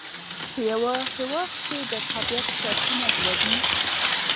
په یوه هیواد کښي د تابیعت شرطونه دوه دي.